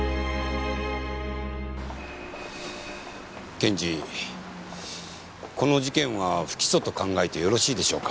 検事この事件は不起訴と考えてよろしいでしょうか？